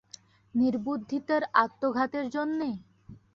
নির্বুদ্ধিতার আত্মঘাতের জন্যে?